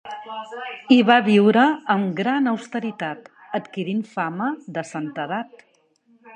Hi va viure amb gran austeritat, adquirint fama de santedat.